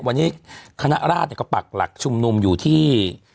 วันนี้คณะราชก็ปักหลักชุมนุมอยู่ที่